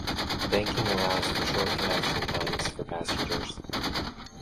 Banking allows for short connection times for passengers.